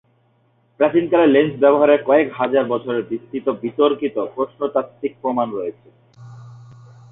প্রাচীনকালে লেন্স ব্যবহারের কয়েক হাজার বছরের বিস্তৃত বিতর্কিত প্রত্নতাত্ত্বিক প্রমাণ রয়েছে,।